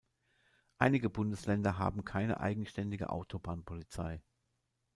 Einige Bundesländer haben keine eigenständige Autobahnpolizei.